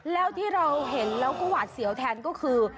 แล้วที่เราเห็นแล้วก็หวาดเสียวแทนก็คือ